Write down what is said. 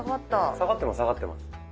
下がってます下がってます。